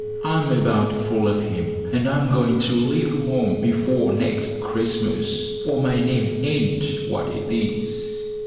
I'm about full of him, and I'm going to leave home before next Christmas, or my name ain't what it is.